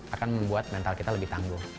akan membuat mental kita lebih tangguh